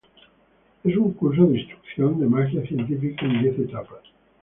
Es un curso de instrucción de magia científica en diez etapas.